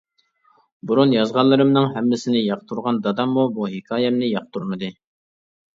بۇرۇن يازغانلىرىمنىڭ ھەممىسىنى ياقتۇرغان داداممۇ بۇ ھېكايەمنى ياقتۇرمىدى.